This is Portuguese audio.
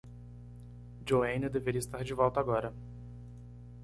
Joanne deveria estar de volta agora.